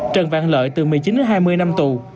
trần văn lợi từ một mươi chín đến hai mươi năm tù